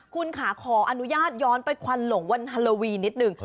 คุณค่ะขออนุญาตย้อนไปควันหลงวันฮาโลวีนิดนึง